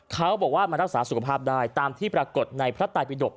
เขาบอกว่ามันรักษาสุขภาพได้ตามที่ปรากฏในพระตายปิดก